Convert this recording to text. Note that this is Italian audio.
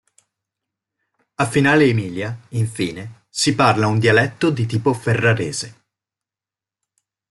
A Finale Emilia, infine, si parla un dialetto di tipo ferrarese.